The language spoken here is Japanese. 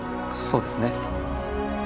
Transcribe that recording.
そうですね。